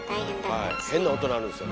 変な音鳴るんすよね。